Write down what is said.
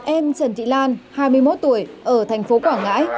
em trần thị lan hai mươi một tuổi ở thành phố quảng ngãi